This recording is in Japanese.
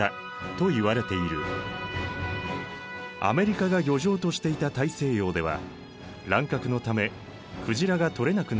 アメリカが漁場としていた大西洋では乱獲のため鯨が取れなくなっていた。